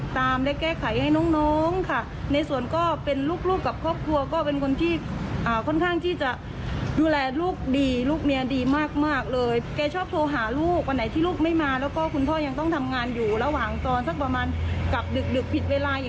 แต่ว่าไม่มีความรู้สึกว่าพี่ปันเป็นคนนอกเหมือนพี่ชายแท้